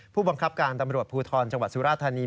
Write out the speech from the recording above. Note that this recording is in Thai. ผู้บังคับการตำรวจภูทรจังหวัดสุราธานี